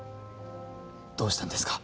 どうしたんですか？